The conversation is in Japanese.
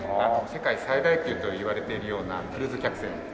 世界最大級といわれているようなクルーズ客船。